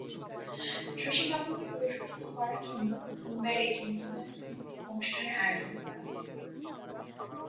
শশী কাপুরকে পুরস্কৃত করার জন্য মুম্বাইয়ের একটি মিলনায়তনে অনুষ্ঠানের আয়োজন করা হয়।